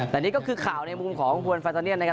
แต่นี่ก็คือข่าวในมุมของบริษัทธานียันนะครับ